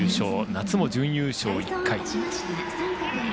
夏も準優勝１回。